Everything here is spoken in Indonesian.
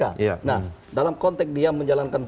nah dalam konteks dia menjalankan